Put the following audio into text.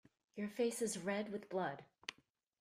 Your face is red with blood.